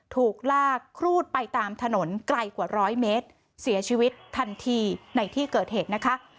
ถูกลากครูดไปตามถนนไกลกว่าร้อยเมตรเสียชีวิตทันทีในที่เกิดเหตุนะคะ